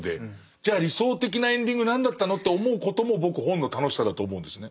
じゃあ理想的なエンディング何だったの？と思うことも僕本の楽しさだと思うんですね。